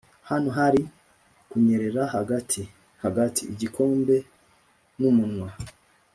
hano hari kunyerera 'hagati (== hagati) igikombe numunwa.